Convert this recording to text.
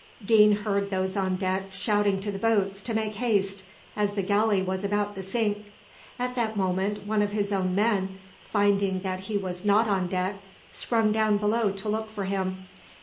Deane heard those on deck shouting to the boats to make haste as the galley was about to sink. At that moment one of his own men, finding that he was not on deck, sprung down below to look for him.